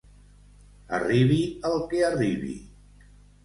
Arribi el que arribi.